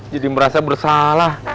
jadi merasa bersalah